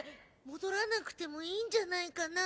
戻らなくてもいいんじゃないかな？